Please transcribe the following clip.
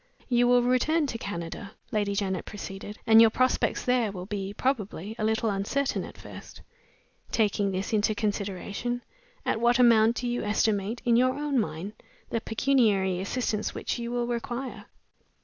"You will return to Canada," Lady Janet proceeded; "and your prospects there will be, probably, a little uncertain at first. Taking this into consideration, at what amount do you estimate, in your own mind, the pecuniary assistance which you will require?"